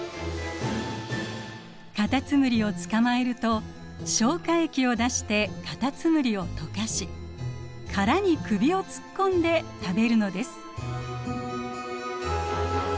カタツムリを捕まえると消化液を出してカタツムリを溶かし殻に首を突っ込んで食べるのです。